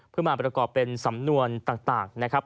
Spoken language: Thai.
เพื่อมาประกอบเป็นสำนวนต่างนะครับ